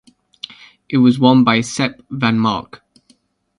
It was won by Sep Vanmarcke.